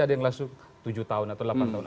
ada yang langsung tujuh tahun atau delapan tahun